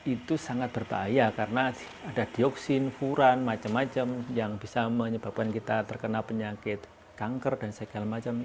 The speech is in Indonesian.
itu sangat berbahaya karena ada dioksin furan macam macam yang bisa menyebabkan kita terkena penyakit kanker dan segala macam